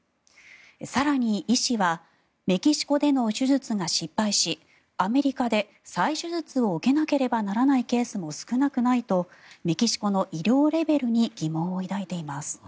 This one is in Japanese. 更に、医師はメキシコでの手術が失敗しアメリカで再手術を受けなければならないケースも少なくないとメキシコの医療レベルに疑問を抱いています。